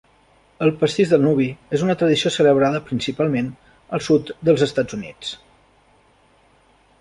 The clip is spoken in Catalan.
El pastís del nuvi és una tradició celebrada principalment al sud dels Estats Units.